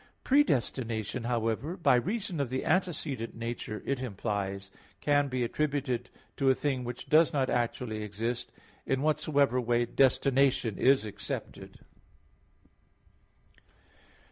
Predestination, however, by reason of the antecedent nature it implies, can be attributed to a thing which does not actually exist; in whatsoever way destination is accepted.